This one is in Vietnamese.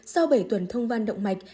sau bảy tuần thông van động mạch